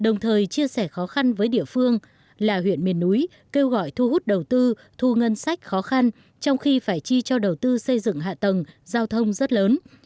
đồng thời chia sẻ khó khăn với địa phương là huyện miền núi kêu gọi thu hút đầu tư thu ngân sách khó khăn trong khi phải chi cho đầu tư xây dựng hạ tầng giao thông rất lớn